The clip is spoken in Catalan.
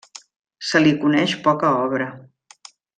Se li coneix poca obra.